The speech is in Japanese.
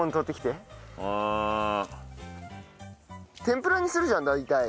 天ぷらにするじゃん大体。